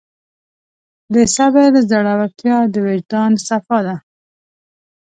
د صبر زړورتیا د وجدان صفا ده.